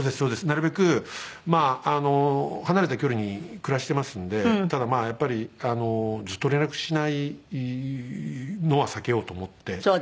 なるべくまあ離れた距離に暮らしてますのでただまあやっぱりあのずっと連絡しないのは避けようと思って。